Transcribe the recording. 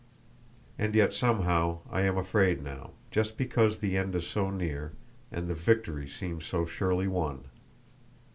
And yet somehow I am afraid now, just because the end is so near, and the victory seems so surely won.